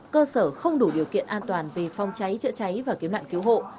cơ sở không đủ điều kiện an toàn về phòng cháy chữa cháy và cứu nạn cứu hộ